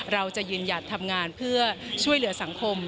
เราจะยืนหยัดทำงานเพื่อช่วยเหลือสังคม